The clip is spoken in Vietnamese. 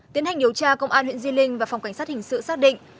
tiến hành điều tra công an huyện di linh và phòng cảnh sát hình sự xác định